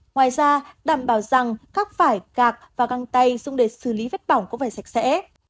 ngoài ra đảm bảo rằng các vải gạc và găng tay dùng để xử lý vết bỏng có vẻ sạch sẽ